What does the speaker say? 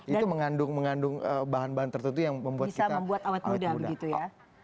itu mengandung bahan bahan tertentu yang membuat kita awet muda